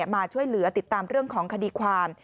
มาช่วยเหลือติดตามเรื่องของคดีความ